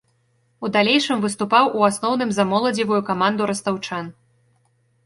У далейшым выступаў у асноўным за моладзевую каманду растаўчан.